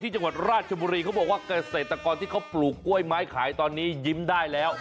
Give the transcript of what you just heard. จังหวัดราชบุรีเขาบอกว่าเกษตรกรที่เขาปลูกกล้วยไม้ขายตอนนี้ยิ้มได้แล้ว